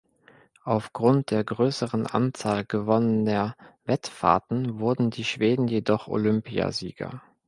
Aufgrund der größeren Anzahl gewonnener Wettfahrten wurden die Schweden jedoch Olympiasieger.